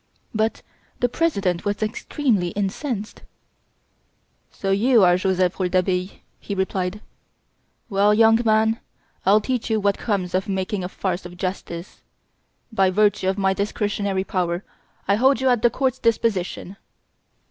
But the President was extremely incensed: "So, you are Joseph Rouletabille," he replied; "well, young man, I'll teach you what comes of making a farce of justice. By virtue of my discretionary power, I hold you at the court's disposition."